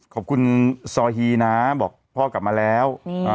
ขอบคุณซอฮีนะบอกพ่อกลับมาแล้ว